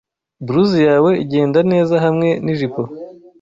Blouse yawe igenda neza hamwe nijipo.